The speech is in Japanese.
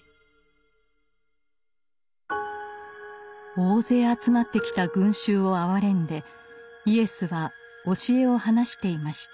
大勢集まってきた群衆をあわれんでイエスは教えを話していました。